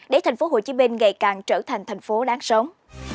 để thành phố hồ chí minh ngày càng trở thành thành phố đáng sống